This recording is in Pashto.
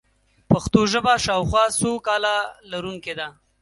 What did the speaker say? پښتو ژبه شاوخوا څو کاله لرونکې ده.